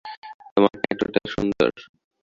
তোমার ট্যাটুটা সুন্দর।